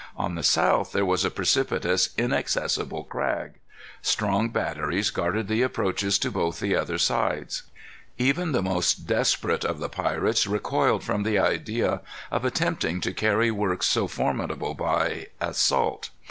On the south there was a precipitous inaccessible crag. Strong batteries guarded the approaches to both the other sides. Even the most desperate of the pirates recoiled from the idea of attempting to carry works so formidable by assault.